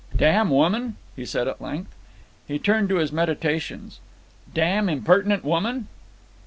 "Damn woman!" he said at length. He turned to his meditations. "Damn impertinent woman!"